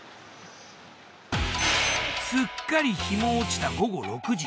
すっかり日も落ちた午後６時。